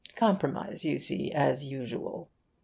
Compromise, you see, as usual.